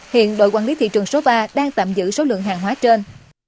hiện đội quản lý thị trường số ba đang tạm giữ số lượng hàng hóa trên